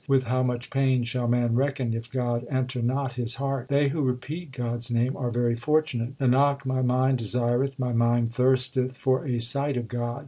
With how much pain shall man reckon if God enter not his heart ? They who repeat God s name are very fortunate, Nanak, my mind desireth, my mind thirsteth for a sight of God.